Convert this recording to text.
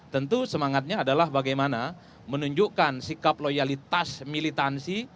tentu semangatnya adalah bagaimana menunjukkan sikap loyalitas militansi